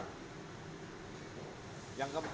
yang keempat dengan saringan yang agak kasar